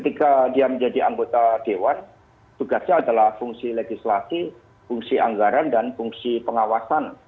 ketika dia menjadi anggota dewan tugasnya adalah fungsi legislasi fungsi anggaran dan fungsi pengawasan